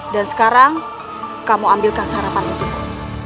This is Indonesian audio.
dan sekarang kamu ambilkan sarapan untukku